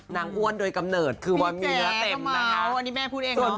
นางอ้วนโดยกำเนิดคือว่ามีเนื้อเต็มนะคะพี่แจ๊ก็มาวันนี้แม่พูดเองเนอะ